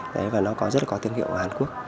đấy và nó có rất là có thương hiệu ở hàn quốc